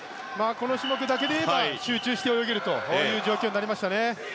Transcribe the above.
この種目だけで言えば集中して泳げる状況になりましたね。